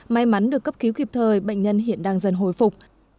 may mắn được cấp cứu kịp thời bệnh nhân hiện đang dần hồi phục